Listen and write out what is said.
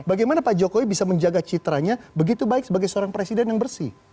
bagaimana pak jokowi bisa menjaga citranya begitu baik sebagai seorang presiden yang bersih